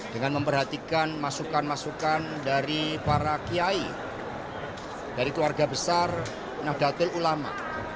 dengan memperhatikan masukan masukan dari para kiai dari keluarga besar nahdlatul ulama